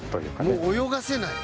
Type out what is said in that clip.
「もう泳がせない。